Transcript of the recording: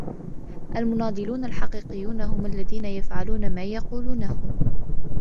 المناضلون الحقيقيون هم الذين يفعلون ما يقولونه.